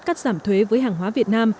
cắt giảm thuế với hàng hóa việt nam